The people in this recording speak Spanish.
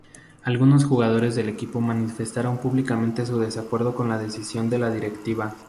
Algunos jugadores del equipo manifestaron públicamente su desacuerdo con la decisión de la directiva.